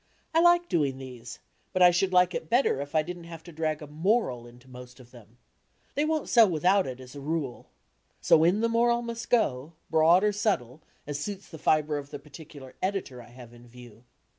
I like doing these, but I should like it better if I didn't have to drag a 'moral' into most of them. They won't sell without it, as a rule. So in the moral must go, broad or subde, as suits the fibre of the pardcular editor I have in view.